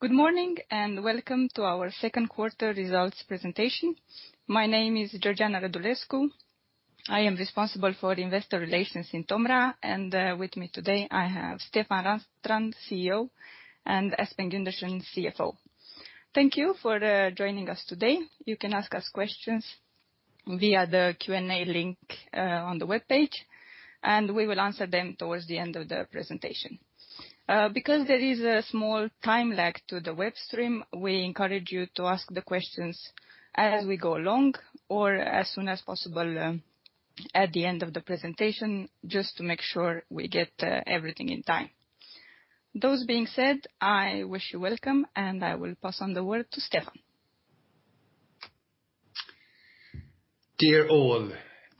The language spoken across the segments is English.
Good morning, welcome to our second quarter results presentation. My name is Georgiana Radulescu. I am responsible for investor relations in Tomra. With me today I have Stefan Ranstrand, CEO, and Espen Gundersen, CFO. Thank you for joining us today. You can ask us questions via the Q&A link on the webpage. We will answer them towards the end of the presentation. There is a small time lag to the webstream. We encourage you to ask the questions as we go along or as soon as possible at the end of the presentation, just to make sure we get everything in time. Those being said, I wish you welcome. I will pass on the word to Stefan. Dear all,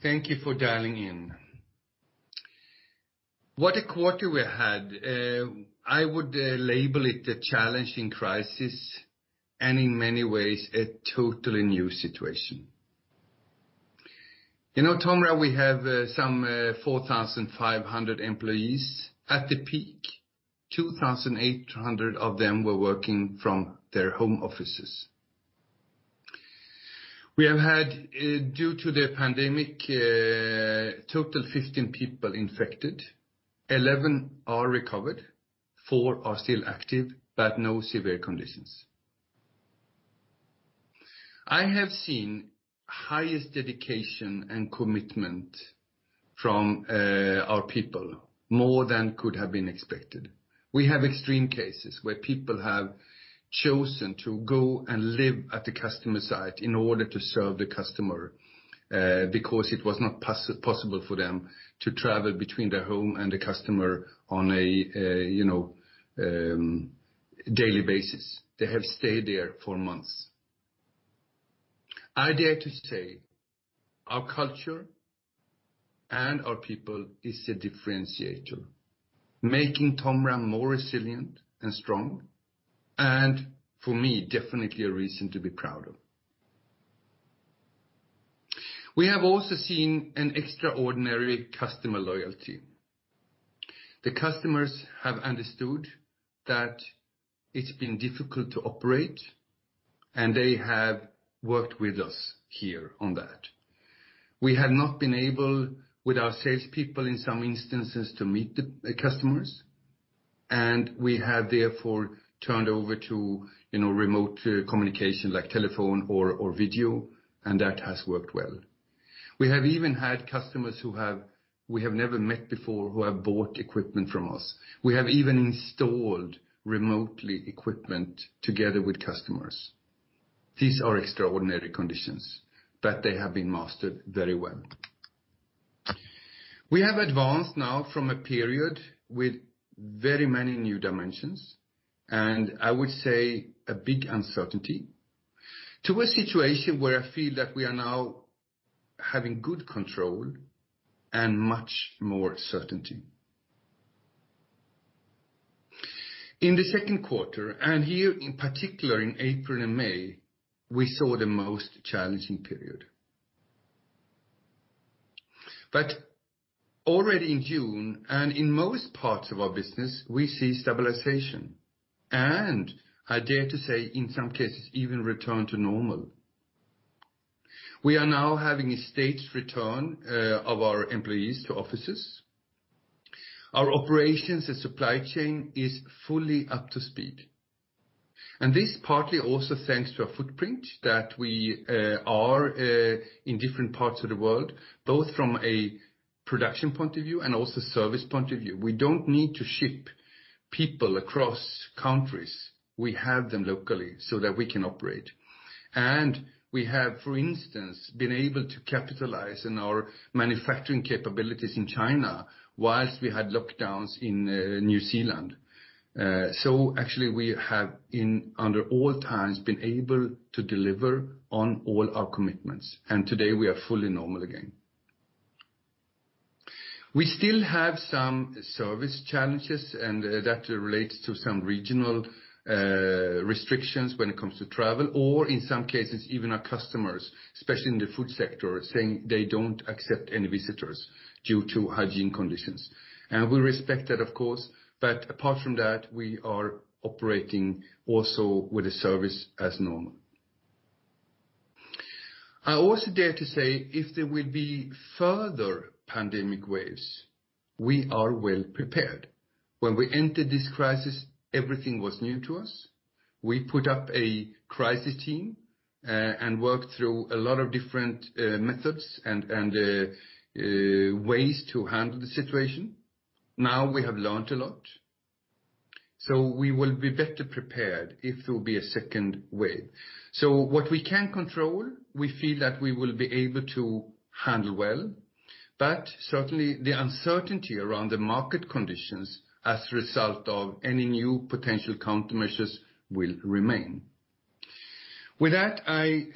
thank you for dialing in. What a quarter we had. I would label it a challenging crisis, and in many ways, a totally new situation. In Tomra, we have some 4,500 employees. At the peak, 2,800 of them were working from their home offices. We have had, due to the pandemic, total 15 people infected, 11 are recovered, four are still active, but no severe conditions. I have seen highest dedication and commitment from our people, more than could have been expected. We have extreme cases where people have chosen to go and live at the customer site in order to serve the customer, because it was not possible for them to travel between their home and the customer on a daily basis. They have stayed there for months. I dare to say our culture and our people is a differentiator, making Tomra more resilient and strong, and for me, definitely a reason to be proud of. We have also seen an extraordinary customer loyalty. The customers have understood that it's been difficult to operate, and they have worked with us here on that. We have not been able, with our salespeople, in some instances, to meet the customers, and we have therefore turned over to remote communication, like telephone or video, and that has worked well. We have even had customers who we have never met before who have bought equipment from us. We have even installed remotely equipment together with customers. These are extraordinary conditions, but they have been mastered very well. We have advanced now from a period with very many new dimensions, and I would say a big uncertainty, to a situation where I feel that we are now having good control and much more certainty. In the second quarter, here in particular in April and May, we saw the most challenging period. Already in June, and in most parts of our business, we see stabilization, and I dare to say, in some cases, even return to normal. We are now having a staged return of our employees to offices. Our operations and supply chain is fully up to speed. This partly also thanks to our footprint that we are in different parts of the world, both from a production point of view and also service point of view. We don't need to ship people across countries. We have them locally so that we can operate. We have, for instance, been able to capitalize on our manufacturing capabilities in China whilst we had lockdowns in New Zealand. Actually, we have under all times been able to deliver on all our commitments, and today we are fully normal again. We still have some service challenges, and that relates to some regional restrictions when it comes to travel, or in some cases, even our customers, especially in the food sector, saying they don't accept any visitors due to hygiene conditions. We respect that, of course, but apart from that, we are operating also with the service as normal. I also dare to say if there will be further pandemic waves, we are well prepared. When we entered this crisis, everything was new to us. We put up a crisis team and worked through a lot of different methods and ways to handle the situation. We have learned a lot, so we will be better prepared if there will be a second wave. What we can control, we feel that we will be able to handle well, but certainly the uncertainty around the market conditions as a result of any new potential countermeasures will remain. With that, I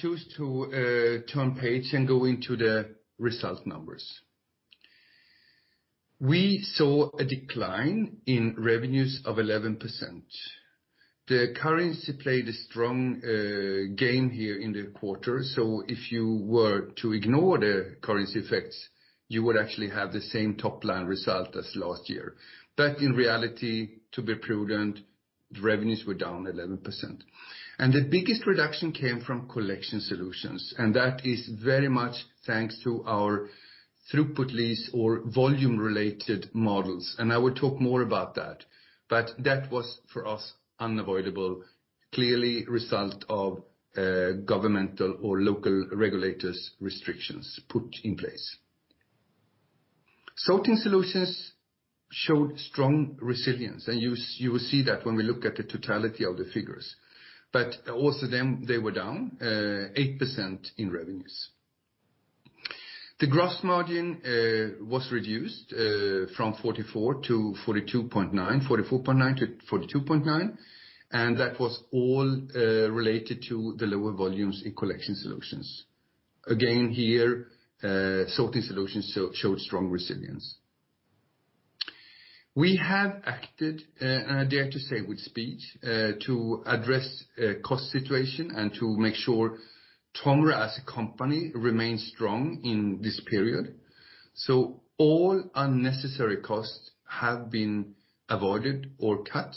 choose to turn page and go into the result numbers. We saw a decline in revenues of 11%. The currency played a strong game here in the quarter, so if you were to ignore the currency effects, you would actually have the same top-line result as last year. In reality, the revenues were down 11%. The biggest reduction came from Collection Solutions, and that is very much thanks to our throughput lease or volume-related models. I will talk more about that. That was, for us, unavoidable, clearly result of governmental or local regulators' restrictions put in place. Sorting Solutions showed strong resilience, and you will see that when we look at the totality of the figures. Also them, they were down 8% in revenues. The gross margin was reduced from 44.9% to 42.9%, and that was all related to the lower volumes in Collection Solutions. Here, Sorting Solutions showed strong resilience. We have acted, and I dare to say with speed, to address cost situation and to make sure Tomra as a company remains strong in this period. All unnecessary costs have been avoided or cut,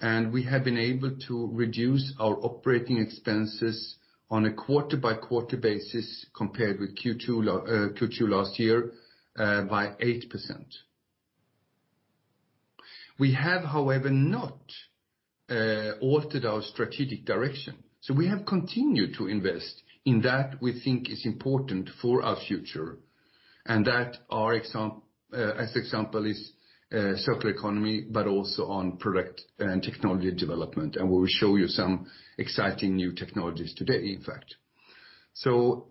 and we have been able to reduce our operating expenses on a quarter-over-quarter basis compared with Q2 last year, by 8%. We have, however, not altered our strategic direction. We have continued to invest in that we think is important for our future, and that, as example, is circular economy, but also on product and technology development. We will show you some exciting new technologies today, in fact.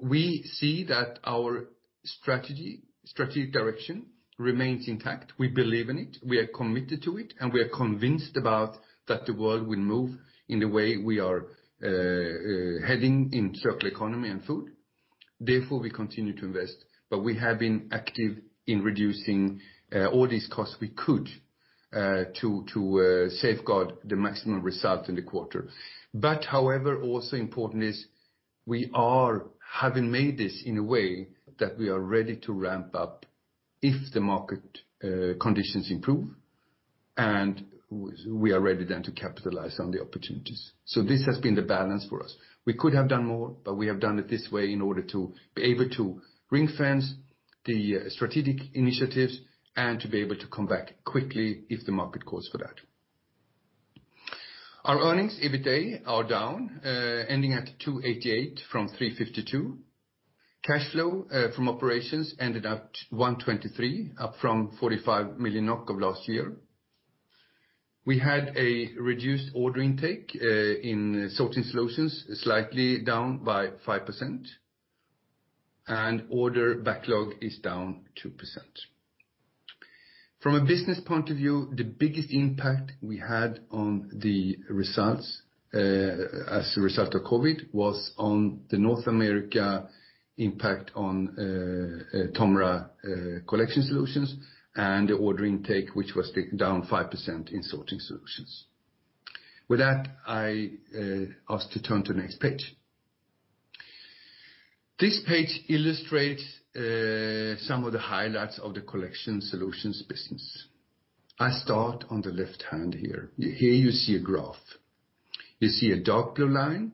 We see that our strategic direction remains intact. We believe in it, we are committed to it, and we are convinced about that the world will move in the way we are heading in circular economy and food. Therefore, we continue to invest, but we have been active in reducing all these costs we could to safeguard the maximum result in the quarter. However, also important is we are having made this in a way that we are ready to ramp up if the market conditions improve, and we are ready then to capitalize on the opportunities. This has been the balance for us. We could have done more, but we have done it this way in order to be able to ring-fence the strategic initiatives and to be able to come back quickly if the market calls for that. Our earnings, EBITDA, are down, ending at 288 from 352. Cash flow from operations ended at 123, up from 45 million NOK of last year. We had a reduced order intake in TOMRA Sorting Solutions, slightly down by 5%, and order backlog is down 2%. From a business point of view, the biggest impact we had on the results, as a result of COVID, was on the North America impact on TOMRA Collection and the order intake, which was down 5% in TOMRA Sorting Solutions. With that, I ask to turn to the next page. This page illustrates some of the highlights of the TOMRA Collection business. I start on the left hand here. Here you see a graph. You see a dark blue line,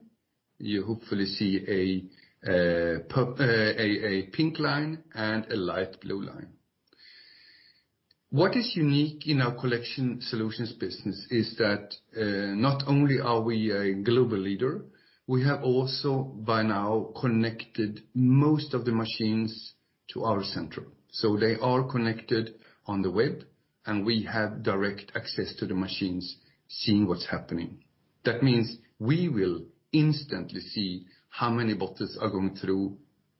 you hopefully see a pink line and a light blue line. What is unique in our Collection Solutions business is that not only are we a global leader, we have also by now connected most of the machines to our center. They are connected on the web, and we have direct access to the machines, seeing what's happening. That means we will instantly see how many bottles are going through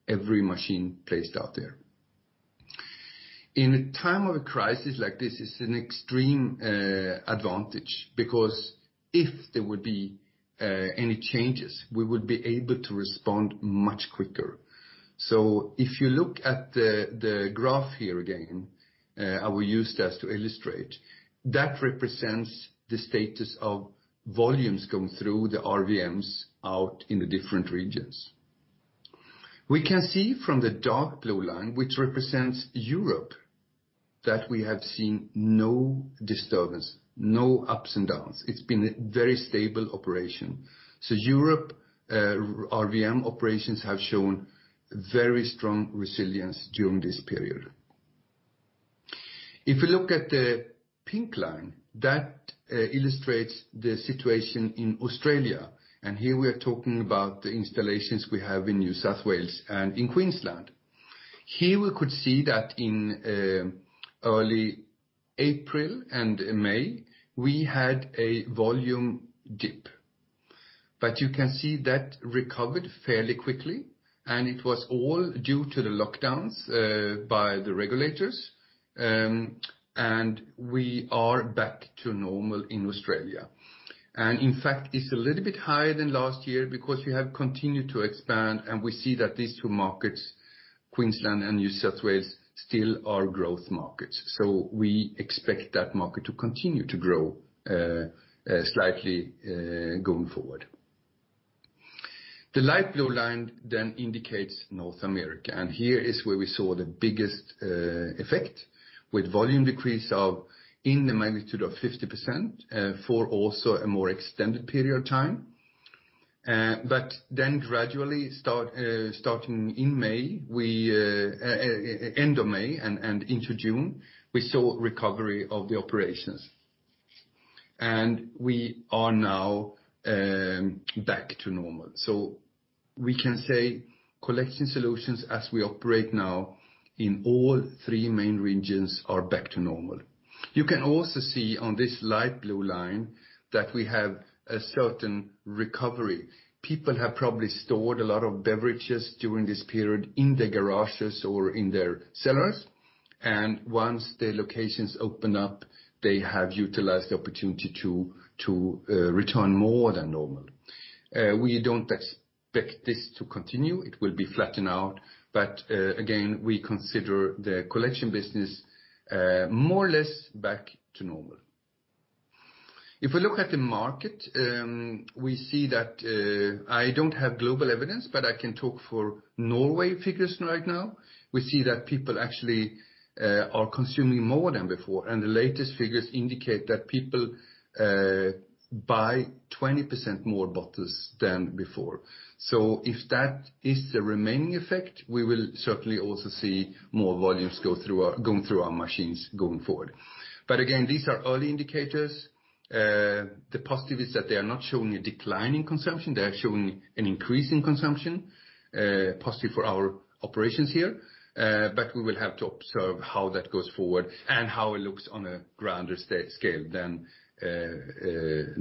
every machine placed out there. In a time of a crisis like this, it's an extreme advantage, because if there would be any changes, we would be able to respond much quicker. If you look at the graph here again, I will use this to illustrate, that represents the status of volumes going through the RVMs out in the different regions. We can see from the dark blue line, which represents Europe, that we have seen no disturbance, no ups and downs. It's been a very stable operation. Europe RVM operations have shown very strong resilience during this period. If you look at the pink line, that illustrates the situation in Australia. Here we are talking about the installations we have in New South Wales and in Queensland. Here we could see that in early April and May, we had a volume dip. You can see that recovered fairly quickly, and it was all due to the lockdowns by the regulators, and we are back to normal in Australia. In fact, it's a little bit higher than last year because we have continued to expand, and we see that these two markets, Queensland and New South Wales, still are growth markets. We expect that market to continue to grow slightly going forward. The light blue line then indicates North America, and here is where we saw the biggest effect with volume decrease in the magnitude of 50% for also a more extended period of time. Gradually, starting end of May and into June, we saw recovery of the operations, and we are now back to normal. We can say Collection Solutions, as we operate now in all three main regions, are back to normal. You can also see on this light blue line that we have a certain recovery. People have probably stored a lot of beverages during this period in their garages or in their cellars, and once the locations open up, they have utilized the opportunity to return more than normal. We don't expect this to continue. It will be flattened out, but again, we consider the collection business more or less back to normal. If we look at the market, we see that, I don't have global evidence, but I can talk for Norway figures right now. We see that people actually are consuming more than before, and the latest figures indicate that people buy 20% more bottles than before. If that is the remaining effect, we will certainly also see more volumes going through our machines going forward. Again, these are early indicators. The positive is that they are not showing a decline in consumption. They are showing an increase in consumption, positive for our operations here, but we will have to observe how that goes forward and how it looks on a grander scale than Norway. If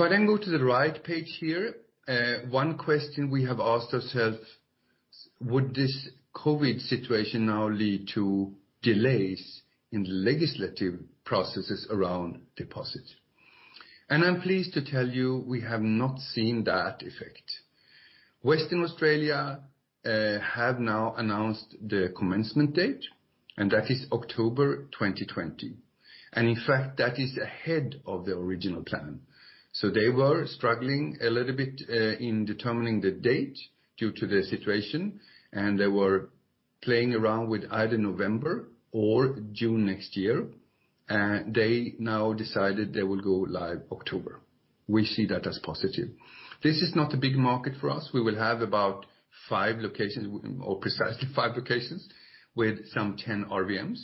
I then go to the right page here, one question we have asked ourselves, would this COVID situation now lead to delays in legislative processes around deposits? I'm pleased to tell you we have not seen that effect. Western Australia have now announced the commencement date, and that is October 2020. In fact, that is ahead of the original plan. They were struggling a little bit in determining the date due to the situation, and they were playing around with either November or June next year. They now decided they will go live October. We see that as positive. This is not a big market for us. We will have about five locations, or precisely five locations with some 10 RVMs.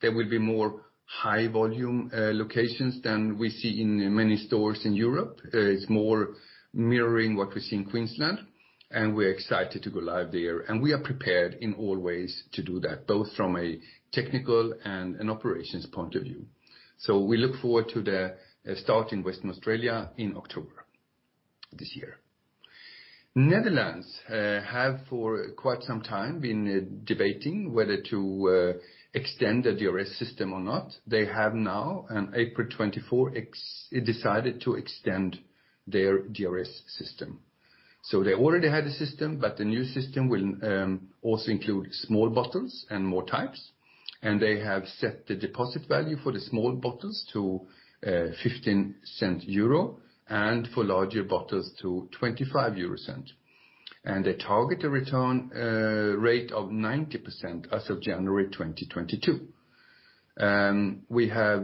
There will be more high-volume locations than we see in many stores in Europe. It's more mirroring what we see in Queensland. We're excited to go live there. We are prepared in all ways to do that, both from a technical and an operations point of view. We look forward to the start in Western Australia in October this year. Netherlands have, for quite some time, been debating whether to extend the DRS system or not. They have now, on April 24, decided to extend their DRS system. They already had a system, but the new system will also include small bottles and more types. They have set the deposit value for the small bottles to 0.15 and for larger bottles to 0.25. They target a return rate of 90% as of January 2022. We have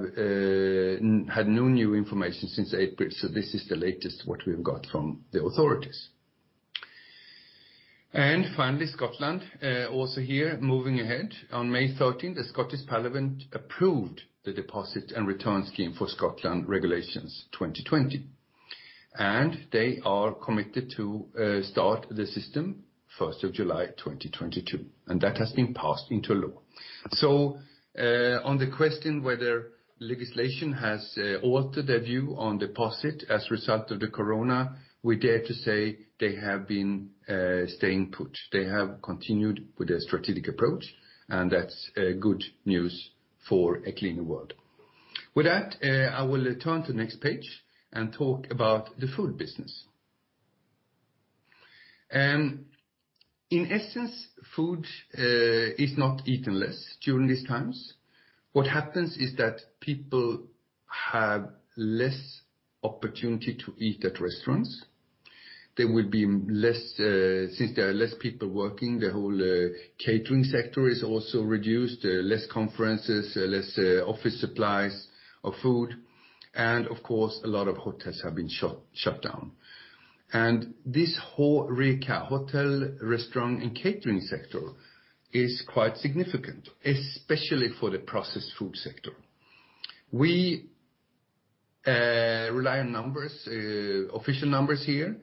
had no new information since April. This is the latest what we've got from the authorities. Finally, Scotland, also here, moving ahead. On May 13, the Scottish Parliament approved The Deposit and Return Scheme for Scotland Regulations 2020. They are committed to start the system 1st of July 2022. That has been passed into law. On the question whether legislation has altered their view on deposit as a result of the corona, we dare to say they have been staying put. They have continued with their strategic approach. That's good news for a cleaner world. With that, I will turn to the next page and talk about the food business. In essence, food is not eaten less during these times. What happens is that people have less opportunity to eat at restaurants. Since there are less people working, the whole catering sector is also reduced, less conferences, less office supplies of food, and of course, a lot of hotels have been shut down. This whole HoReCa, hotel, restaurant, and catering sector, is quite significant, especially for the processed food sector. We rely on numbers, official numbers here,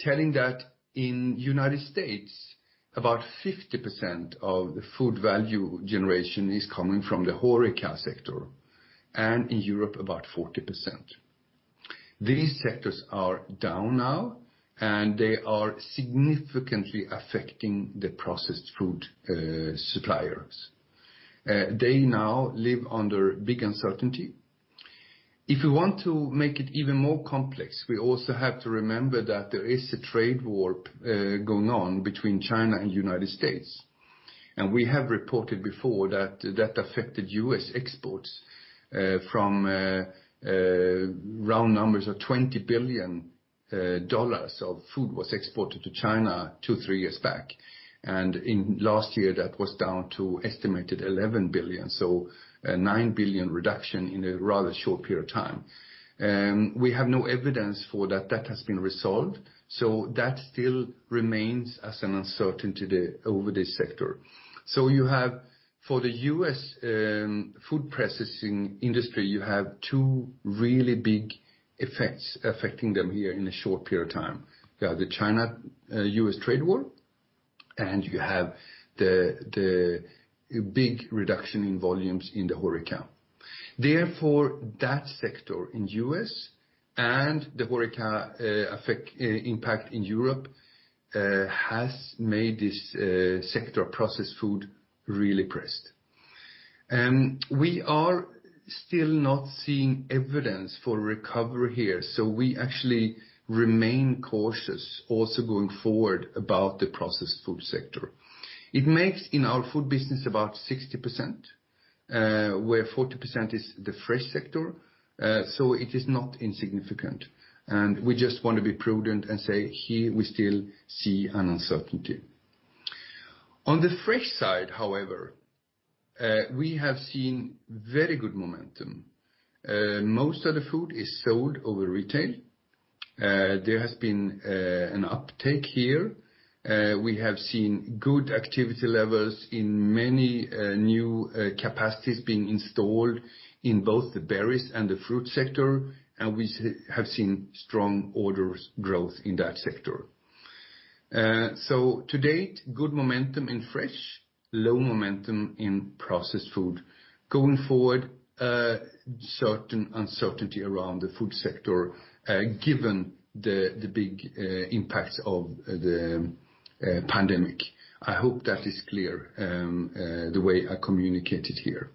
telling that in U.S., about 50% of the food value generation is coming from the HoReCa sector, and in Europe, about 40%. These sectors are down now, and they are significantly affecting the processed food suppliers. They now live under big uncertainty. If we want to make it even more complex, we also have to remember that there is a trade war going on between China and the U.S. We have reported before that affected U.S. exports from round numbers of $20 billion of food was exported to China two, three years back. In last year, that was down to estimated $11 billion, so a $9 billion reduction in a rather short period of time. We have no evidence for that. That has been resolved, so that still remains as an uncertainty over this sector. For the U.S. food processing industry, you have two really big effects affecting them here in a short period of time. You have the China-U.S. trade war, and you have the big reduction in volumes in the HoReCa. That sector in U.S. and the HoReCa impact in Europe, has made this sector of processed food really pressed. We are still not seeing evidence for recovery here, we actually remain cautious also going forward about the processed food sector. It makes in our food business about 60%, where 40% is the fresh sector, it is not insignificant. We just want to be prudent and say here we still see an uncertainty. On the fresh side, however, we have seen very good momentum. Most of the food is sold over retail. There has been an uptake here. We have seen good activity levels in many new capacities being installed in both the berries and the fruit sector, and we have seen strong orders growth in that sector. To date, good momentum in fresh, low momentum in processed food. Going forward, certain uncertainty around the food sector, given the big impacts of the pandemic. I hope that is clear, the way I communicate it here.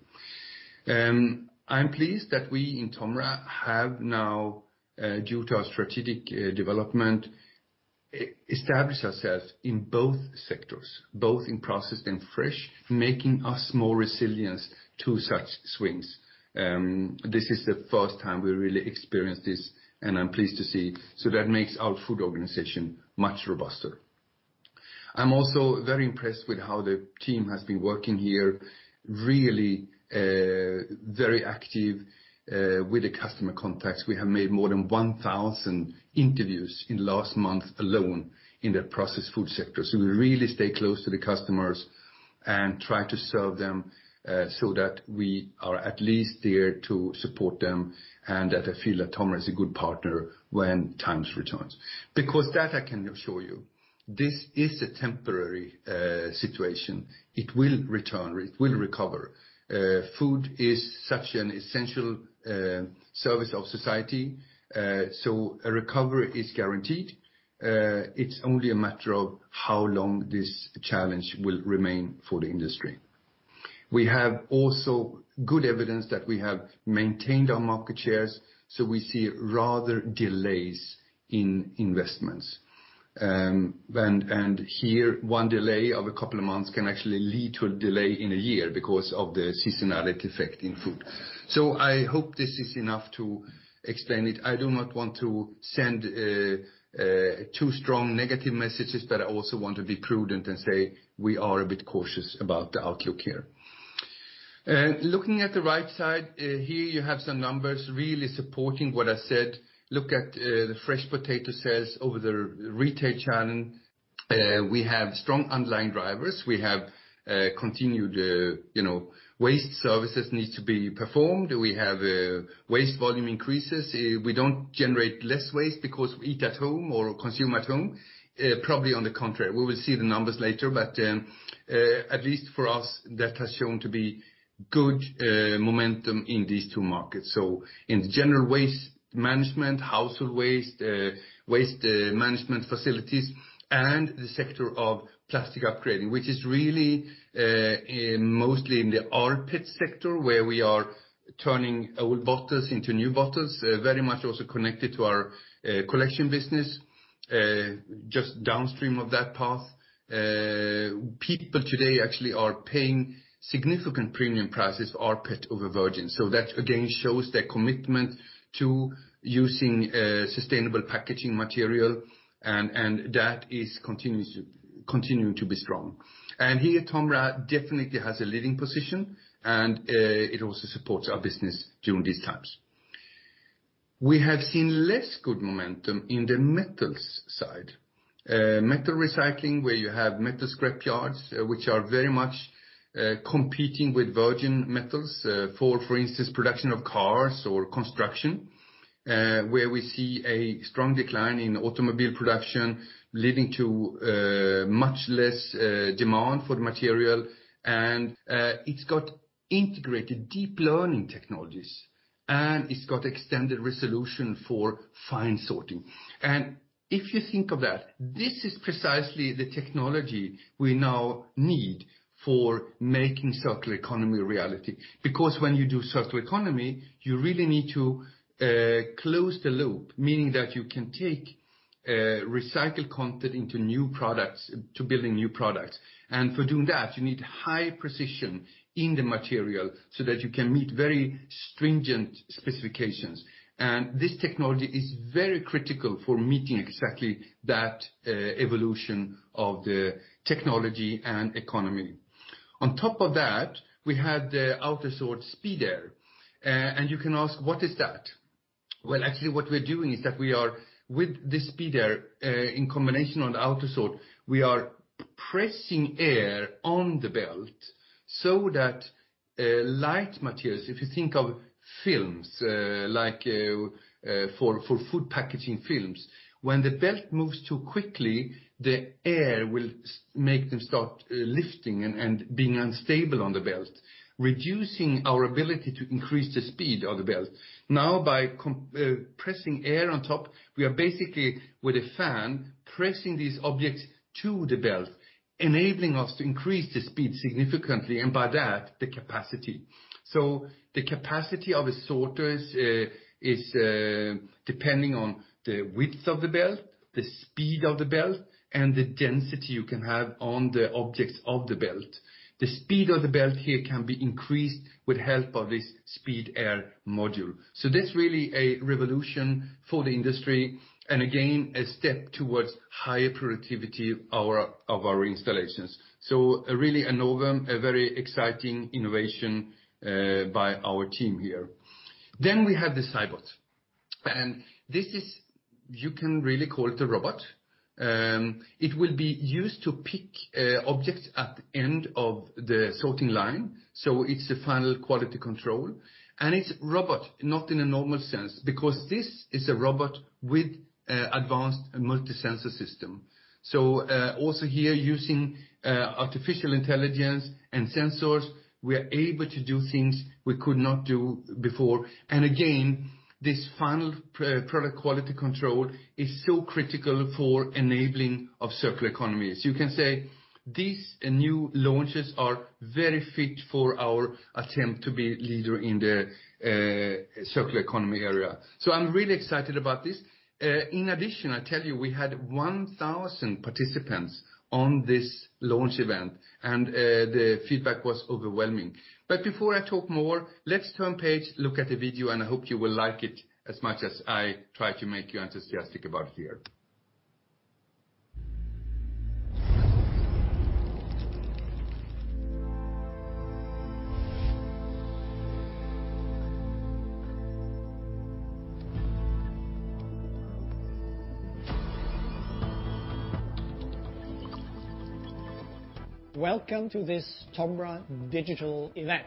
I'm pleased that we in Tomra have now, due to our strategic development, established ourselves in both sectors, both in processed and fresh, making us more resilient to such swings. This is the first time we really experienced this, and I'm pleased to see. That makes our food organization much robuster. I'm also very impressed with how the team has been working here, really very active with the customer contacts. We have made more than 1,000 interviews in last month alone in the processed food sector. We really stay close to the customers and try to serve them, so that we are at least there to support them, and that they feel that Tomra is a good partner when times returns. That I can assure you, this is a temporary situation. It will return. It will recover. Food is such an essential service of society, a recovery is guaranteed. It's only a matter of how long this challenge will remain for the industry. We have also good evidence that we have maintained our market shares, we see rather delays in investments. Here, one delay of a couple of months can actually lead to a delay in a year because of the seasonality effect in food. I hope this is enough to explain it. I do not want to send too strong negative messages, I also want to be prudent and say we are a bit cautious about the outlook here. Looking at the right side, here you have some numbers really supporting what I said. Look at the fresh potato sales over the retail channel. We have strong underlying drivers. We have continued waste services need to be performed. We have waste volume increases. We don't generate less waste because we eat at home or consume at home. Probably on the contrary. At least for us, that has shown to be good momentum in these two markets. In the general waste management, household waste management facilities, and the sector of plastic upgrading, which is really mostly in the rPET sector, where we are turning old bottles into new bottles, very much also connected to our collection business, just downstream of that path. People today actually are paying significant premium prices, rPET over virgin. That again shows their commitment to using sustainable packaging material, and that is continuing to be strong. Here, Tomra definitely has a leading position, and it also supports our business during these times. We have seen less good momentum in the metals side. Metal recycling, where you have metal scrapyards, which are very much competing with virgin metals, for instance, production of cars or construction, where we see a strong decline in automobile production leading to much less demand for the material, and it’s got integrated deep learning technologies. It’s got extended resolution for fine sorting. If you think of that, this is precisely the technology we now need for making circular economy a reality. When you do circular economy, you really need to close the loop, meaning that you can take recycled content into building new products. For doing that, you need high precision in the material so that you can meet very stringent specifications. This technology is very critical for meeting exactly that evolution of the technology and economy. On top of that, we have the AUTOSORT SPEEDAIR. You can ask, what is that? Well, actually, what we're doing is that we are, with this SPEEDAIR, in combination on the AUTOSORT, we are pressing air on the belt so that light materials, if you think of films, like for food packaging films, when the belt moves too quickly, the air will make them start lifting and being unstable on the belt, reducing our ability to increase the speed of the belt. By pressing air on top, we are basically, with a fan, pressing these objects to the belt, enabling us to increase the speed significantly, and by that, the capacity. The capacity of a sorter is depending on the width of the belt, the speed of the belt, and the density you can have on the objects of the belt. The speed of the belt here can be increased with help of this SPEEDAIR module. That's really a revolution for the industry, and again, a step towards higher productivity of our installations. Really a very exciting innovation by our team here. We have the CYBOT. This is, you can really call it a robot. It will be used to pick objects at the end of the sorting line. It's the final quality control. It's robot, not in a normal sense, because this is a robot with advanced multi-sensor system. Also here using artificial intelligence and sensors, we are able to do things we could not do before. Again, this final product quality control is so critical for enabling of circular economies. You can say these new launches are very fit for our attempt to be leader in the circular economy area. I'm really excited about this. In addition, I tell you, we had 1,000 participants on this launch event, and the feedback was overwhelming. Before I talk more, let's turn page, look at the video, and I hope you will like it as much as I try to make you enthusiastic about here. Welcome to this Tomra digital event.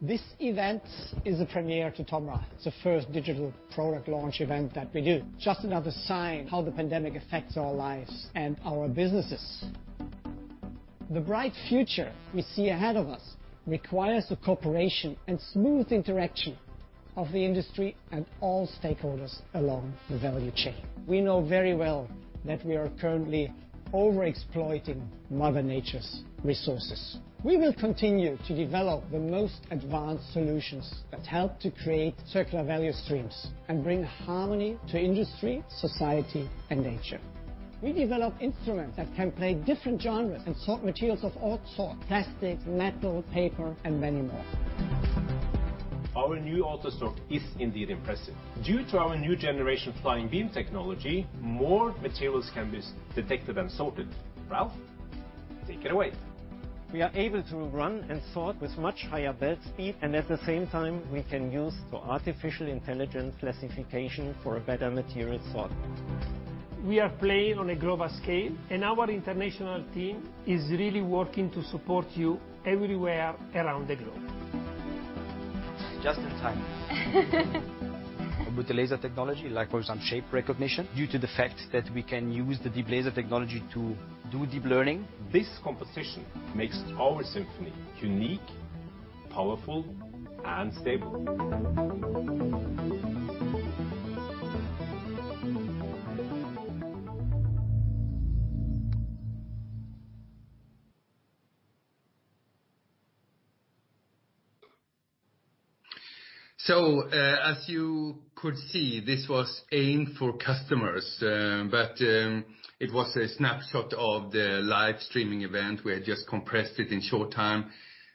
This event is a premiere to Tomra. It's the first digital product launch event that we do. Just another sign how the pandemic affects our lives and our businesses. The bright future we see ahead of us requires the cooperation and smooth interaction of the industry and all stakeholders along the value chain. We know very well that we are currently over-exploiting Mother Nature's resources. We will continue to develop the most advanced solutions that help to create circular value streams and bring harmony to industry, society, and nature. We develop instruments that can play different genres and sort materials of all sorts: plastic, metal, paper, and many more. Our new AUTOSORT is indeed impressive. Due to our new generation FLYING BEAM technology, more materials can be detected and sorted. Ralph, take it away. We are able to run and sort with much higher belt speed, and at the same time, we can use the artificial intelligence classification for a better material sort. We are playing on a global scale, and our international team is really working to support you everywhere around the globe. Just in time. With the laser technology, like for example, shape recognition, due to the fact that we can use the deep learning technology to do deep learning. This composition makes our symphony unique, powerful, and stable. As you could see, this was aimed for customers, but it was a snapshot of the live streaming event. We just compressed it in short time.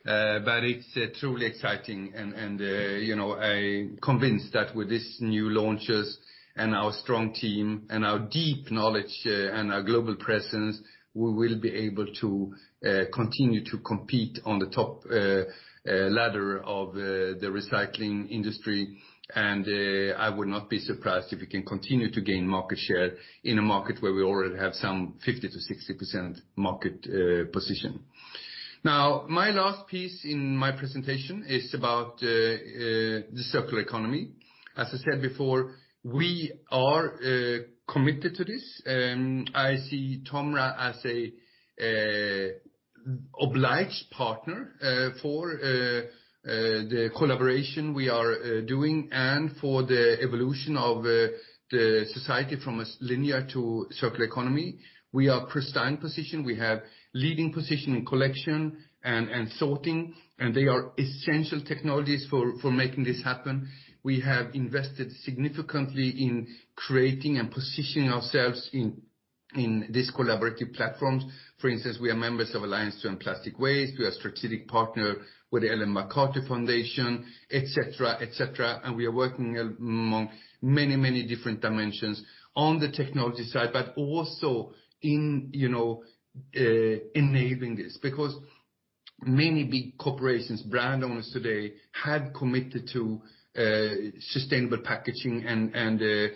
It's truly exciting, and I'm convinced that with these new launches and our strong team and our deep knowledge and our global presence, we will be able to continue to compete on the top ladder of the recycling industry. I would not be surprised if we can continue to gain market share in a market where we already have some 50%-60% market position. My last piece in my presentation is about the circular economy. As I said before, we are committed to this. I see Tomra as a obliged partner for the collaboration we are doing and for the evolution of the society from a linear to circular economy. We are pristine positioned. We have leading position in collection and sorting, and they are essential technologies for making this happen. We have invested significantly in creating and positioning ourselves in this collaborative platforms. For instance, we are members of Alliance to End Plastic Waste. We are a strategic partner with the Ellen MacArthur Foundation, et cetera. We are working among many different dimensions on the technology side, but also in enabling this, because many big corporations, brand owners today, had committed to sustainable packaging and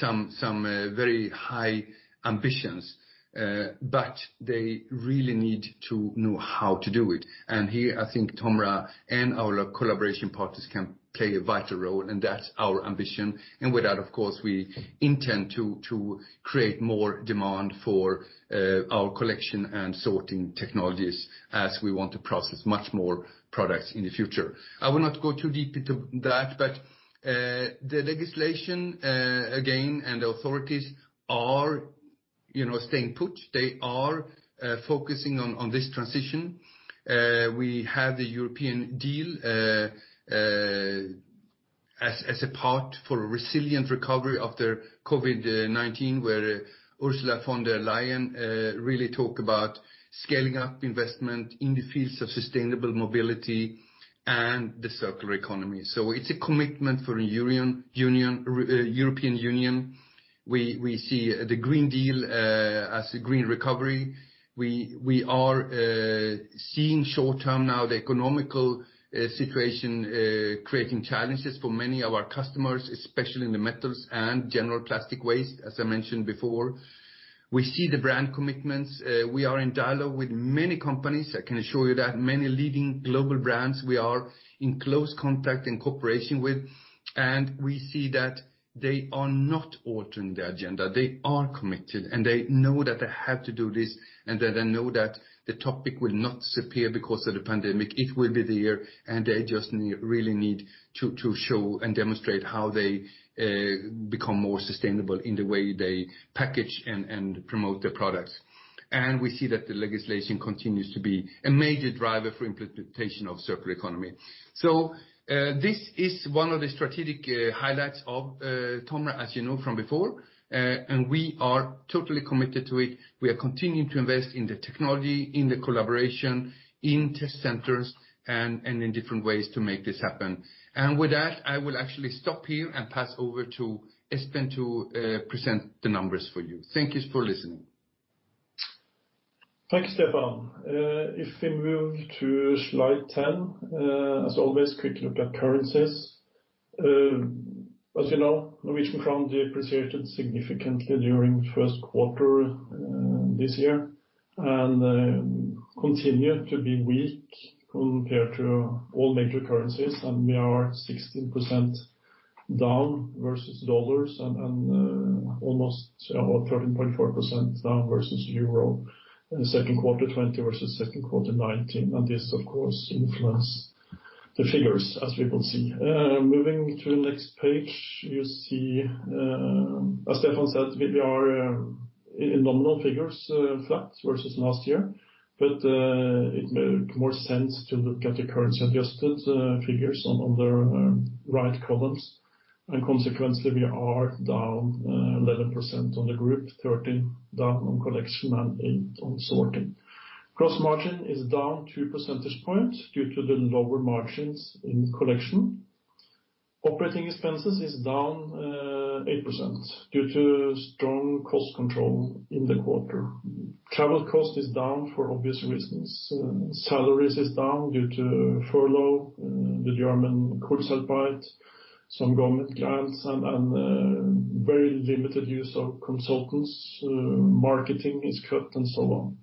some very high ambitions, but they really need to know how to do it. Here, I think Tomra and our collaboration partners can play a vital role, and that's our ambition. With that, of course, we intend to create more demand for our collection and sorting technologies, as we want to process much more products in the future. I will not go too deep into that. The legislation, again, and the authorities are staying put. They are focusing on this transition. We have the European Green Deal as a part for a resilient recovery after COVID-19, where Ursula von der Leyen really talked about scaling up investment in the fields of sustainable mobility and the circular economy. It's a commitment for European Union. We see the Green Deal as a green recovery. We are seeing short-term now the economic situation creating challenges for many of our customers, especially in the metals and general plastic waste, as I mentioned before. We see the brand commitments. We are in dialogue with many companies. I can assure you that many leading global brands, we are in close contact in cooperation with, and we see that they are not altering the agenda. They are committed, and they know that they have to do this, and they know that the topic will not disappear because of the pandemic. It will be there, and they just really need to show and demonstrate how they become more sustainable in the way they package and promote their products. We see that the legislation continues to be a major driver for implementation of circular economy. This is one of the strategic highlights of Tomra, as you know from before, and we are totally committed to it. We are continuing to invest in the technology, in the collaboration, in test centers, and in different ways to make this happen. With that, I will actually stop here and pass over to Espen to present the numbers for you. Thank you for listening. Thanks, Stefan. If we move to slide 10, as always, quick look at currencies. As you know, NOK depreciated significantly during first quarter this year and continue to be weak compared to all major currencies, and we are 16% down versus US dollars and almost 13.4% down versus EUR in the second quarter 2020 versus second quarter 2019, and this, of course, influence the figures as we will see. Moving to the next page, you see, as Stefan said, we are in nominal figures, flat versus last year, but it make more sense to look at the currency-adjusted figures on the right columns. Consequently, we are down 11% on the group, 13 down on TOMRA Collection, and eight on TOMRA Sorting Solutions. Gross margin is down two percentage points due to the lower margins in TOMRA Collection. Operating expenses is down 8% due to strong cost control in the quarter. Travel cost is down for obvious reasons. Salaries is down due to furlough, the German Kurzarbeit, some government grants, and very limited use of consultants. Marketing is cut and so on.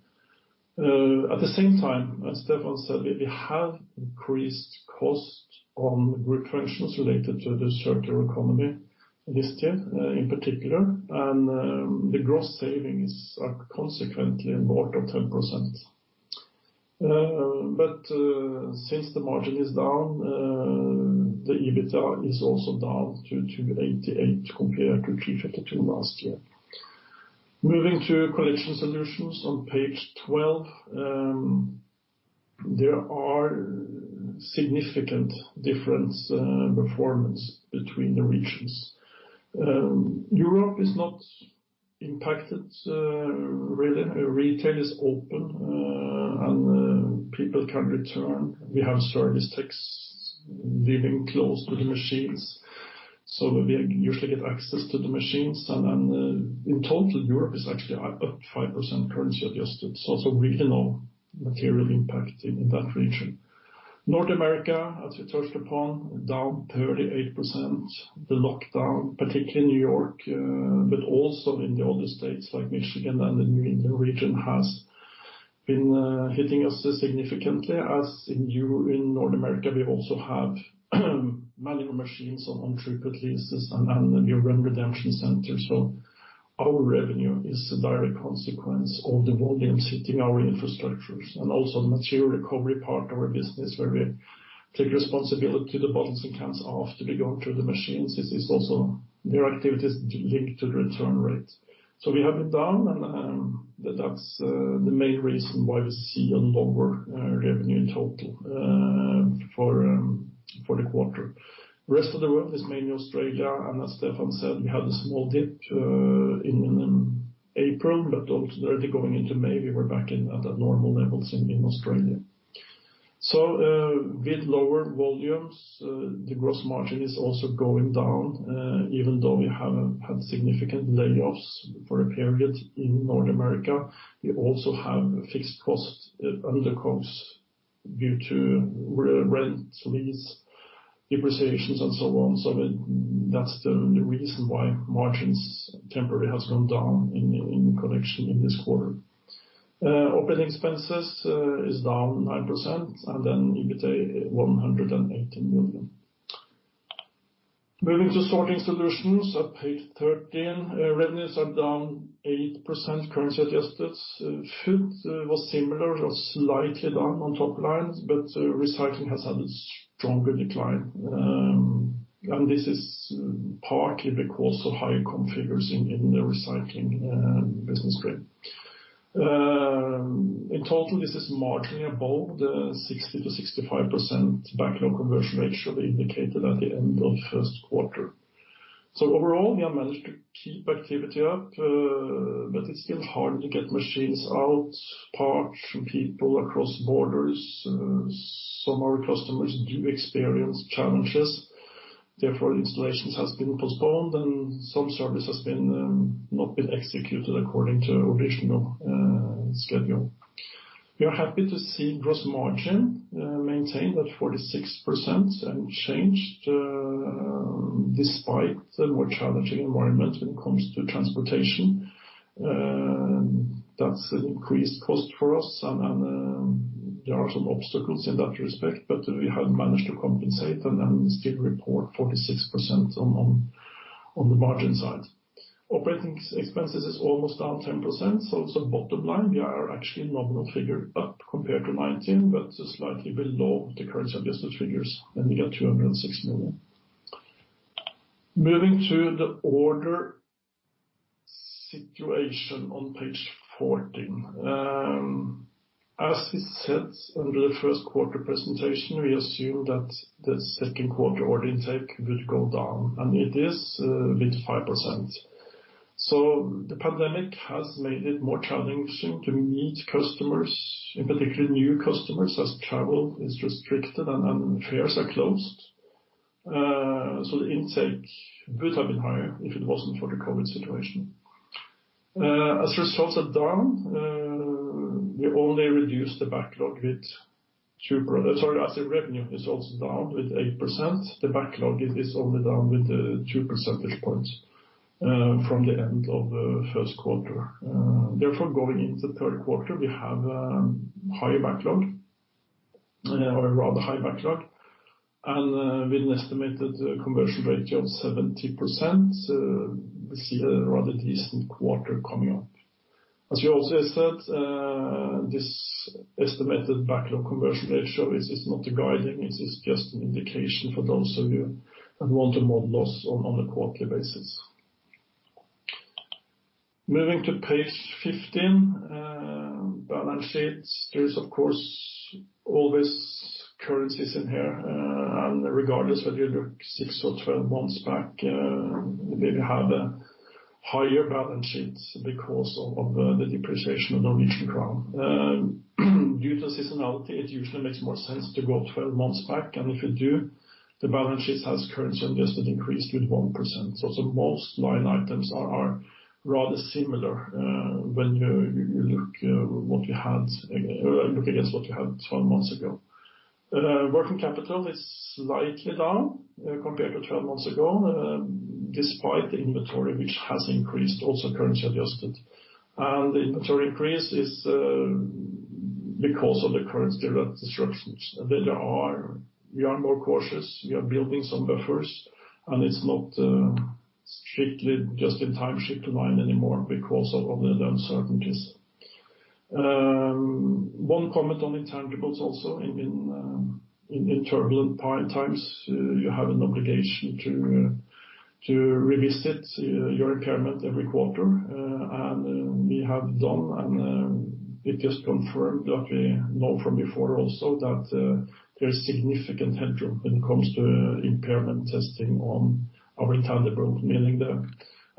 At the same time, as Stefan said, we have increased cost on group functions related to the circular economy this year, in particular, and the gross savings are consequently more than 10%. Since the margin is down, the EBITDA is also down to 288 compared to 352 last year. Moving to TOMRA Collection on page 12. There are significant difference performance between the regions. Europe is not impacted, really. Retail is open, and people can return. We have service techs living close to the machines, so we usually get access to the machines. In total, Europe is actually up 5% currency adjusted. It's really no material impact in that region. North America, as we touched upon, down 38%. The lockdown, particularly in New York, but also in the other states like Michigan and the New England region has been hitting us significantly as in North America, we also have manual machines on throughput leases and the redemption centers. Our revenue is a direct consequence of the volumes hitting our infrastructures and also the material recovery part of our business, where we take responsibility of the bottles and cans after they go through the machines. This is also their activities linked to the return rates. We have been down and that's the main reason why we see a lower revenue in total for the quarter. The rest of the world is mainly Australia, and as Stefan said, we had a small dip in April, but already going into May, we were back at the normal levels in Australia. With lower volumes, the gross margin is also going down. Even though we haven't had significant layoffs for a period in North America, we also have fixed costs and other costs due to rent, lease, depreciations, and so on. That's the reason why margins temporarily has gone down in Collection in this quarter. OpEx is down 9%, EBITDA, 118 million. Moving to Sorting Solutions at page 13. Revenues are down 8% currency adjusted. Food was similar, just slightly down on top lines, but Recycling has had a stronger decline. This is partly because of high comps figures in the Recycling business stream. In total, this is marginally above the 60%-65% backlog conversion ratio we indicated at the end of first quarter. Overall, we have managed to keep activity up, but it's still hard to get machines out, parts, and people across borders. Some of our customers do experience challenges, therefore installations has been postponed and some service has not been executed according to original schedule. We are happy to see gross margin maintained at 46% unchanged despite the more challenging environment when it comes to transportation. That's an increased cost for us and there are some obstacles in that respect, but we have managed to compensate and still report 46% on the margin side. OpEx is almost down 10%, so it's on bottom line. We are actually nominal figured up compared to 2019, but slightly below the currency adjusted figures and we get 206 million. Moving to the order situation on page 14. As we said under the first quarter presentation, we assume that the second quarter order intake will go down, and it is with 5%. The pandemic has made it more challenging to meet customers, in particular new customers, as travel is restricted and fairs are closed. The intake would have been higher if it wasn't for the COVID situation. As results are down, we only reduce the backlog with two. As the revenue results are down with 8%, the backlog is only down with two percentage points from the end of first quarter. Therefore, going into third quarter, we have a higher backlog or a rather high backlog and with an estimated conversion ratio of 70%, we see a rather decent quarter coming up. As we also said, this estimated backlog conversion ratio is not a guiding, this is just an indication for those of you that want to model us on a quarterly basis. Moving to page 15, balance sheets. There is, of course, always currencies in here. Regardless whether you look 6 or 12 months back, we maybe had a higher balance sheet because of the depreciation of the Norwegian krone. Due to seasonality, it usually makes more sense to go 12 months back. If you do, the balance sheet has currency adjusted increase with 1%. Most line items are rather similar when you look against what you had 12 months ago. Working capital is slightly down compared to 12 months ago, despite the inventory, which has increased also currency adjusted. The inventory increase is because of the currency disruptions. We are more cautious. We are building some buffers, and it's not strictly just in time ship line anymore because of the uncertainties. One comment on intangibles also in turbulent times, you have an obligation to revisit your impairment every quarter. We have done, and it just confirmed what we know from before also, that there's significant headroom when it comes to impairment testing on our intangible. Meaning the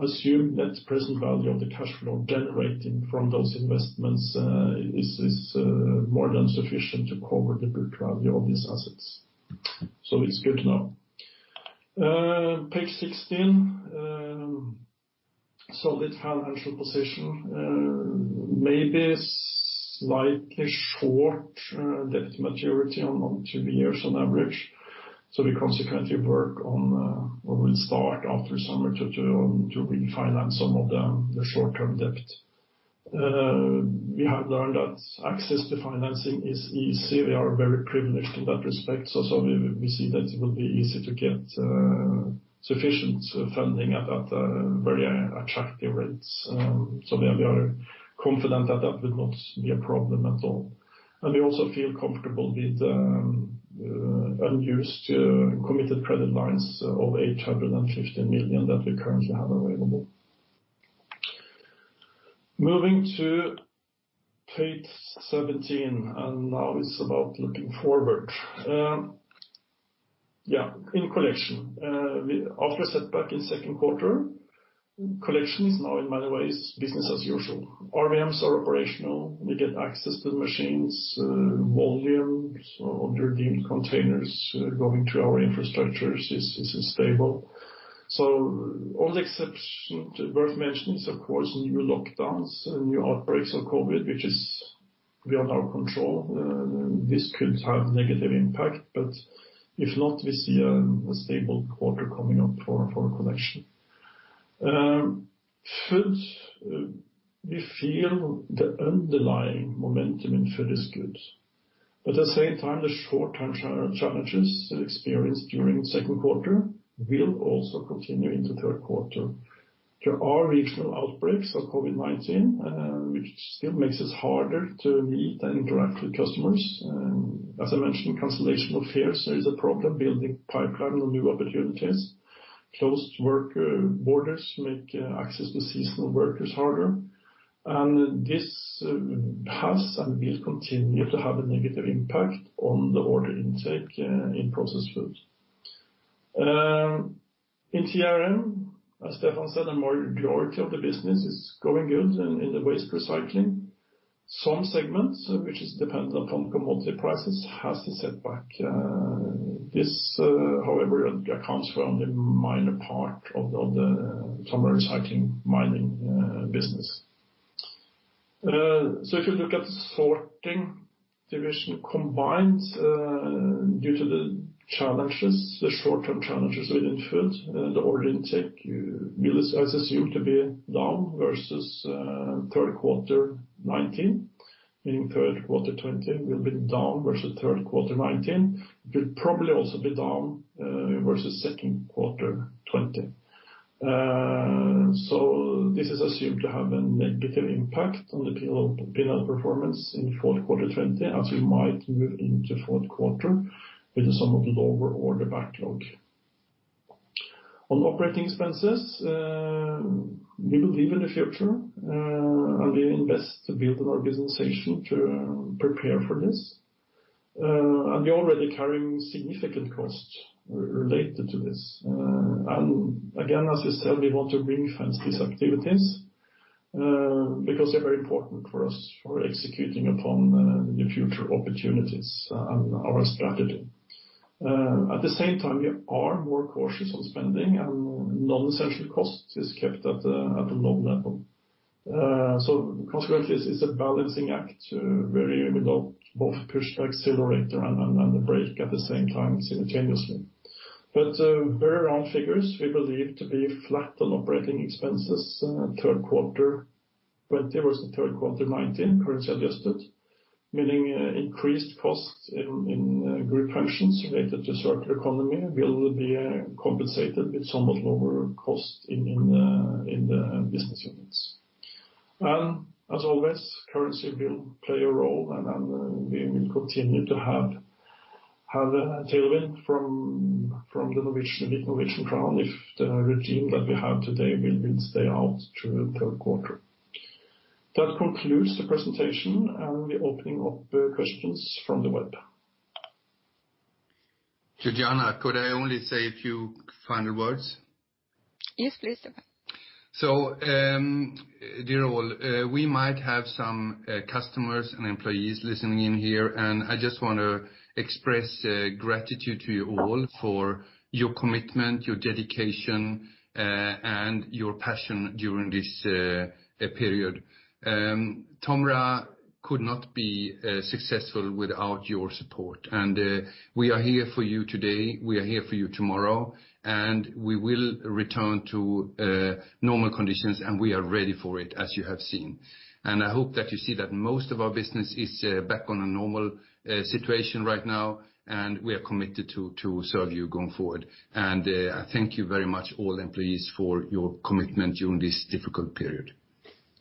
assumed net present value of the cash flow generating from those investments is more than sufficient to cover the book value of these assets. It's good to know. Page 16. Solid financial position. Maybe slightly short debt maturity on two years on average. We consequently work on what we start after summer to refinance some of the short-term debt. We have learned that access to financing is easy. We are very privileged in that respect. We see that it will be easy to get sufficient funding at very attractive rates. We are confident that that will not be a problem at all. We also feel comfortable with unused committed credit lines of 850 million that we currently have available. Moving to page 17. Now it is about looking forward. In Collection, after a setback in second quarter, Collection is now in many ways business as usual. RVMs are operational. We get access to machines. Volumes of redeemed containers going to our infrastructures is stable. Only exception worth mentioning is, of course, new lockdowns, new outbreaks of COVID, which is beyond our control. This could have negative impact. If not, we see a stable quarter coming up for Collection. Food, we feel the underlying momentum in Food is good. At the same time, the short-term challenges experienced during second quarter will also continue into third quarter. There are regional outbreaks of COVID-19, which still makes it harder to meet and interact with customers. As I mentioned, cancellation of fairs is a problem, building pipeline and new opportunities. Closed work borders make access to seasonal workers harder. This has and will continue to have a negative impact on the order intake in processed food. In TOMRA Recycling, as Stefan said, the majority of the business is going good in the waste recycling. Some segments, which is dependent upon commodity prices, has a setback. This, however, accounts for only a minor part of the TOMRA Recycling mining business. If you look at sorting division combined, due to the short-term challenges within food, the order intake is assumed to be down versus third quarter 2019, meaning third quarter 2020 will be down versus third quarter 2019. It will probably also be down versus second quarter 2020. This is assumed to have a negative impact on the P&L performance in fourth quarter 2020, as we might move into fourth quarter with somewhat lower order backlog. On operating expenses, we believe in the future, and we invest to build an organization to prepare for this. We're already carrying significant costs related to this. Again, as we said, we want to refinance these activities because they're very important for us for executing upon the future opportunities and our strategy. At the same time, we are more cautious on spending and non-essential costs is kept at a low level. Consequently, it's a balancing act where we will both push the accelerator and the brake at the same time simultaneously. Very round figures, we believe to be flat on operating expenses third quarter 2020 versus the third quarter 2019, currency adjusted, meaning increased costs in group functions related to circular economy will be compensated with somewhat lower cost in the business units. As always, currency will play a role and we will continue to have a tailwind from the Norwegian crown if the regime that we have today will stay out through third quarter. That concludes the presentation, and we're opening up questions from the web. Georgiana, could I only say a few final words? Yes, please, Stefan. Dear all, we might have some customers and employees listening in here, and I just want to express gratitude to you all for your commitment, your dedication, and your passion during this period. Tomra could not be successful without your support. We are here for you today, we are here for you tomorrow, and we will return to normal conditions, and we are ready for it as you have seen. I hope that you see that most of our business is back on a normal situation right now, and we are committed to serve you going forward. Thank you very much, all employees, for your commitment during this difficult period.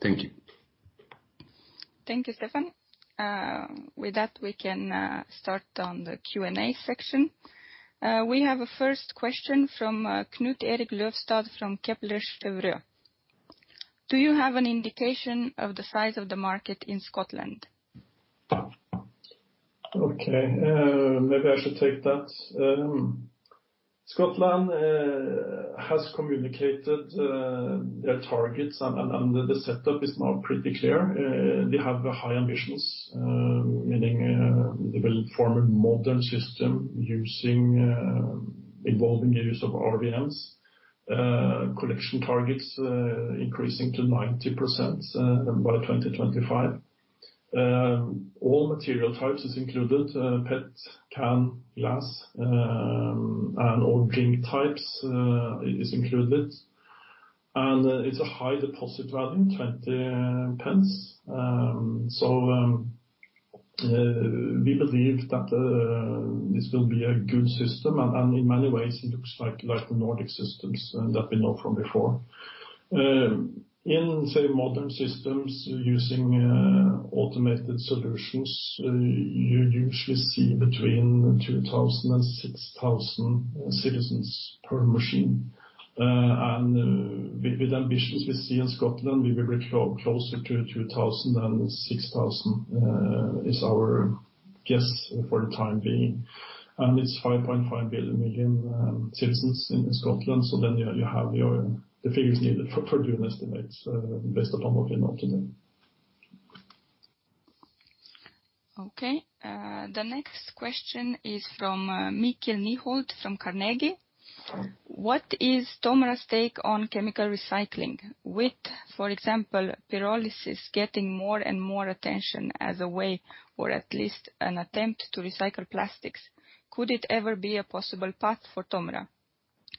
Thank you. Thank you, Stefan. With that, we can start on the Q&A section. We have a first question from Knut Erik Løvstad from Kepler Cheuvreux. Do you have an indication of the size of the market in Scotland? Okay. Maybe I should take that. Scotland has communicated their targets and the setup is now pretty clear. They have high ambitions, meaning they will form a modern system involving the use of RVMs. Collection targets increasing to 90% by 2025. All material types is included, PET, can, glass, and all drink types is included. It's a high deposit value, 0.20. We believe that this will be a good system, and in many ways it looks like the Nordic systems that we know from before. In, say, modern systems using automated solutions, you usually see between 2,000 and 6,000 citizens per machine. With ambitions we see in Scotland, we will be closer to 2,000 than 6,000 is our guess for the time being. It's 5.5 million citizens in Scotland. You have the figures needed for doing estimates based upon what we know today. Okay. The next question is from Mikkel Nyholt from Carnegie. Sorry. What is Tomra's take on chemical recycling? With, for example, pyrolysis getting more and more attention as a way or at least an attempt to recycle plastics, could it ever be a possible path for Tomra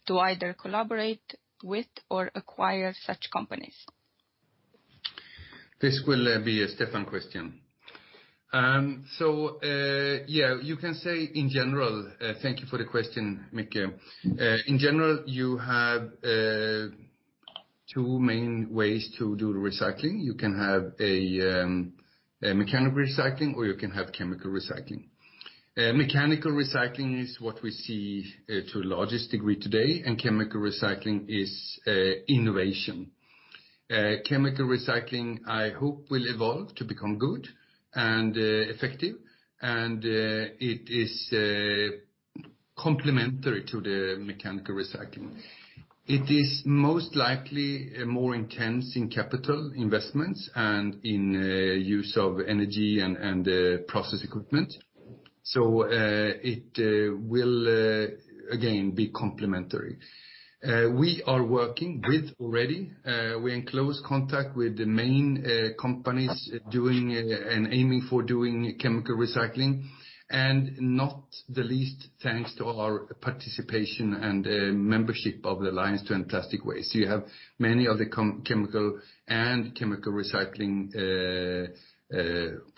to either collaborate with or acquire such companies? This will be a Stefan question. Yeah, you can say in general, thank you for the question, Mikkel. In general, you have two main ways to do the recycling. You can have a mechanical recycling, or you can have chemical recycling. Mechanical recycling is what we see to the largest degree today, and chemical recycling is innovation. Chemical recycling, I hope, will evolve to become good and effective, and it is complementary to the mechanical recycling. It is most likely more intense in capital investments and in use of energy and process equipment. It will, again, be complementary. We are working with already. We're in close contact with the main companies doing and aiming for doing chemical recycling, and not the least, thanks to our participation and membership of the Alliance to End Plastic Waste. You have many of the chemical and chemical recycling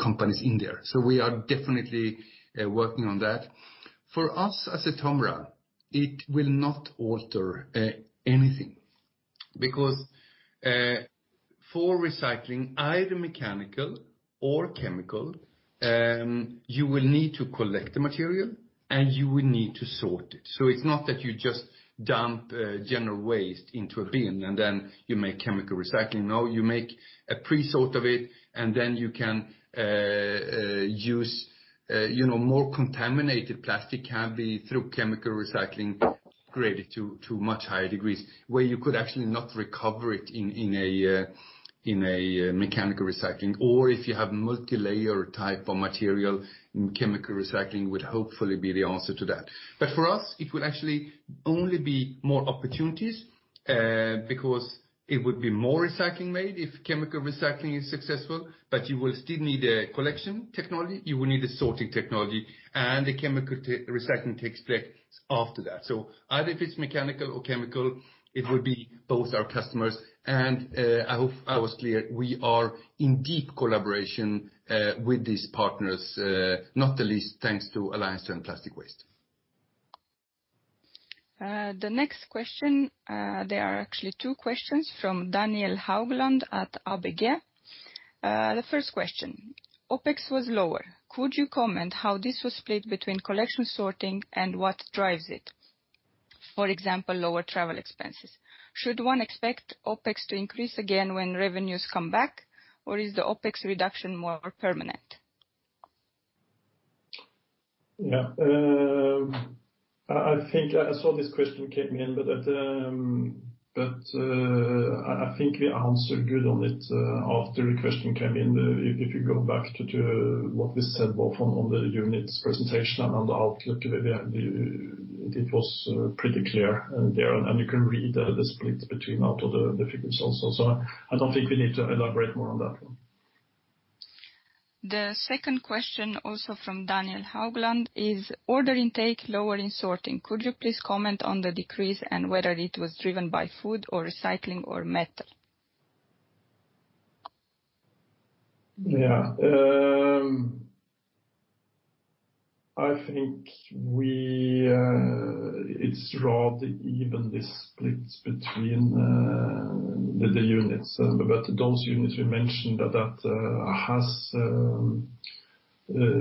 companies in there. We are definitely working on that. For us as a Tomra, it will not alter anything because for recycling, either mechanical recycling or chemical recycling, you will need to collect the material, and you will need to sort it. It's not that you just dump general waste into a bin, and then you make chemical recycling. No, you make a pre-sort of it, and then you can use more contaminated plastic can be, through chemical recycling, graded to much higher degrees where you could actually not recover it in a mechanical recycling. If you have multilayer type of material, chemical recycling would hopefully be the answer to that. For us, it would actually only be more opportunities because it would be more recycling made if chemical recycling is successful. You will still need a collection technology, you will need a sorting technology, and the chemical recycling takes place after that. Either if it's mechanical or chemical, it will be both our customers. I hope I was clear, we are in deep collaboration with these partners, not the least, thanks to Alliance to End Plastic Waste. The next question, there are actually two questions from Daniel Haugland at ABG. The first question, "OpEx was lower. Could you comment how this was split between collection sorting and what drives it? For example, lower travel expenses. Should one expect OpEx to increase again when revenues come back, or is the OpEx reduction more permanent? Yeah. I saw this question came in, but I think we answered good on it after the question came in. If you go back to what we said, both on the units presentation and on the outlook, it was pretty clear in there, and you can read the split between out of the figures also. I don't think we need to elaborate more on that one. The second question, also from Daniel Haugland, is, "Order intake lower in sorting. Could you please comment on the decrease and whether it was driven by food or recycling or metal? Yeah. I think it's rather evenly split between the units. Those units we mentioned that has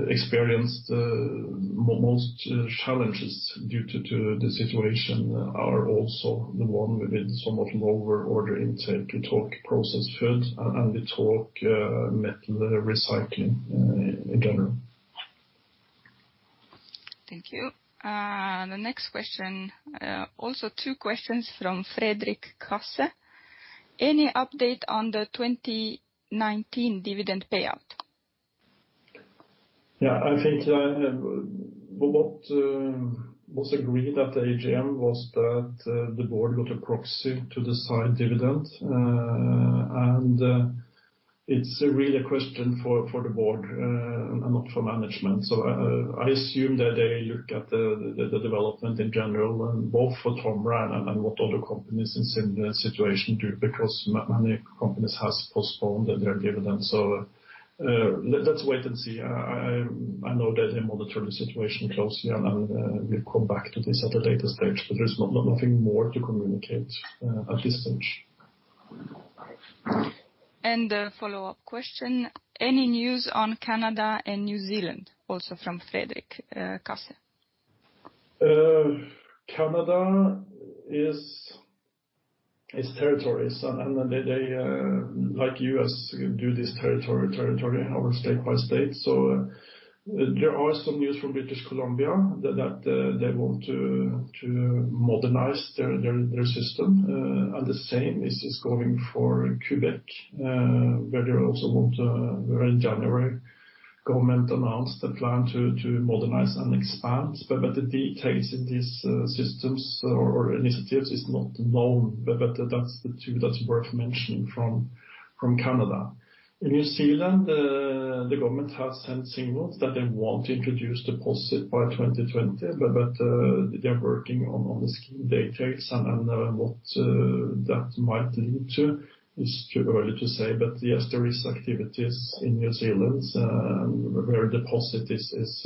experienced the most challenges due to the situation are also the one with somewhat lower order intake. We talk processed food, and we talk metal recycling in general. Thank you. The next question, also two questions from Fredrikke Casse. "Any update on the 2019 dividend payout? Yeah, I think what was agreed at the AGM was that the board got a proxy to decide dividend. It's really a question for the board, and not for management. I assume that they look at the development in general, and both for Tomra and what other companies in same situation do, because many companies has postponed their dividend. Let's wait and see. I know they monitor the situation closely, and we'll come back to this at a later stage, but there's nothing more to communicate at this stage. A follow-up question, any news on Canada and New Zealand? Also from Fredrikke Casse. Canada its territories. They like U.S. do this territory or state by state. There are some news from British Columbia that they want to modernize their system. The same is going for Quebec, where they also want, where in January, government announced the plan to modernize and expand. The details in these systems or initiatives is not known. That's the two that's worth mentioning from Canada. In New Zealand, the government has sent signals that they want to introduce deposit by 2020, but they are working on the scheme details and what that might lead to is too early to say. Yes, there is activities in New Zealand where deposit is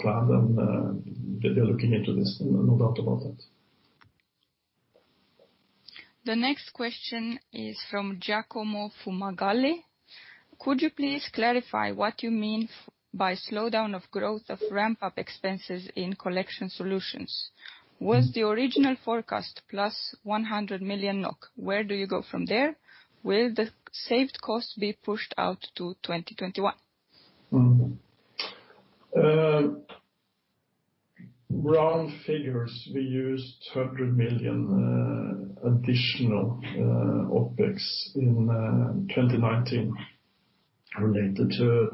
planned and they're looking into this, no doubt about that. The next question is from Giacomo Fumagalli. Could you please clarify what you mean by slowdown of growth of ramp-up expenses in TOMRA Collection? Was the original forecast plus 100 million NOK? Where do you go from there? Will the saved costs be pushed out to 2021? Round figures, we used 100 million additional OpEx in 2019 related to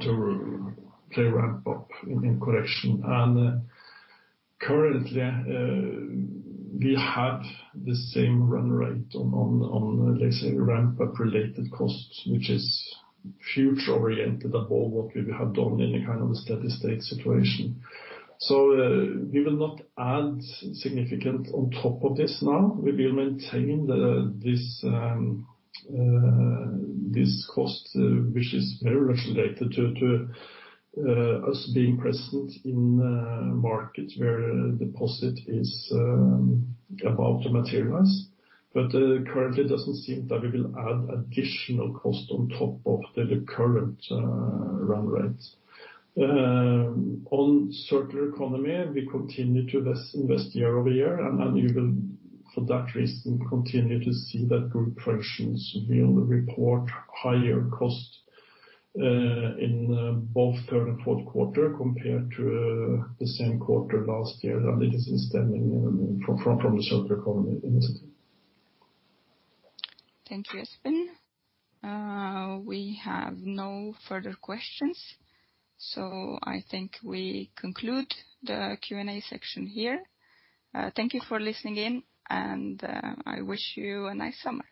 the ramp-up in collection. Currently, we have the same run rate on, let's say, ramp-up related costs, which is future oriented above what we have done in a kind of a steady state situation. We will not add significant on top of this now. We will maintain this cost, which is very much related to us being present in markets where deposit is about to materialize. Currently, it doesn't seem that we will add additional cost on top of the current run rate. On circular economy, we continue to invest year-over-year. We will, for that reason, continue to see that group operations will report higher cost in both third and fourth quarter compared to the same quarter last year. It is stemming from the circular economy initiative. Thank you, Espen. We have no further questions, so I think we conclude the Q&A section here. Thank you for listening in and I wish you a nice summer.